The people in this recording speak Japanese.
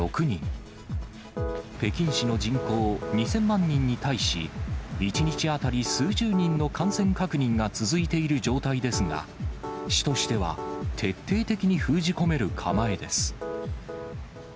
北京市の人口２０００万人に対し、１日当たり数十人の感染確認が続いている状態ですが、市としては、徹底的に封じ込める構えです。